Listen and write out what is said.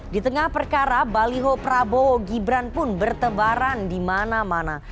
di tengah perkara baliho prabowo gibran pun bertebaran di mana mana